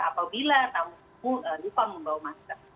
apabila tanggung lupa membawa masker